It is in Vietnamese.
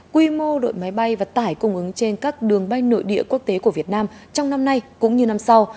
quy mô đội máy bay và tải cung ứng trên các đường bay nội địa quốc tế của việt nam trong năm nay cũng như năm sau